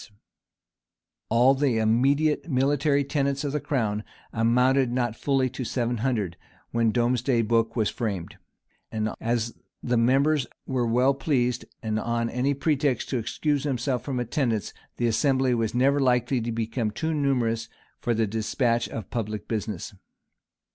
] All the immediate military tenants of the crown amounted not fully to seven hundred, when Domesday book was framed; and as the membeirs were well pleased, on any pretext, to excuse themselves from attendance, the assembly was never likely to become too numerous for the despatch of public business.